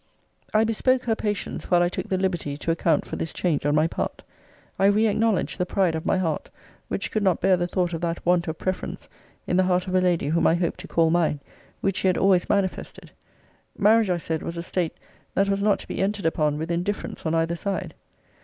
I bespoke her patience, while I took the liberty to account for this change on my part. I re acknowledged the pride of my heart, which could not bear the thought of that want of preference in the heart of a lady whom I hoped to call mine, which she had always manifested. Marriage, I said, was a state that was not to be entered upon with indifference on either side.